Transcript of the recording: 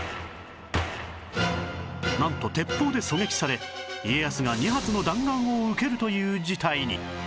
なんと鉄砲で狙撃され家康が２発の弾丸を受けるという事態に